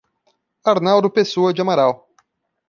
Arnaldo Pessoa de Amaral